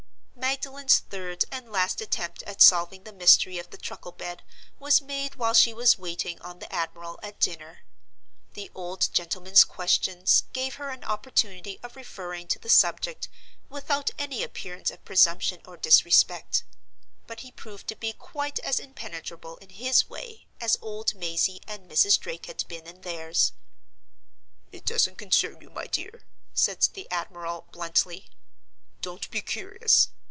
Magdalen's third and last attempt at solving the mystery of the truckle bed was made while she was waiting on the admiral at dinner. The old gentleman's questions gave her an opportunity of referring to the subject, without any appearance of presumption or disrespect; but he proved to be quite as impenetrable, in his way, as old Mazey and Mrs. Drake had been in theirs. "It doesn't concern you, my dear," said the admiral, bluntly. "Don't be curious.